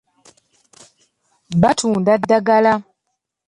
Batunda ddagala.